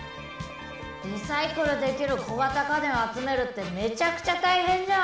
リサイクルできる小型家電を集めるってめちゃくちゃ大変じゃん。